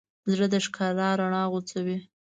زړه د ښکلا رڼا غځوي.